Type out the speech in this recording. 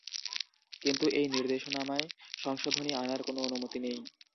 কিন্তু এই নির্দেশনামায় সংশোধনী আনার কোনো অনুমতি নেই।